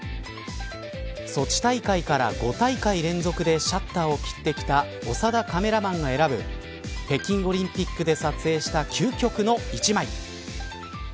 ソチ大会から５大会連続でシャッターを切ってきた長田カメラマンが選ぶ北京オリンピックで撮影した究極の１枚。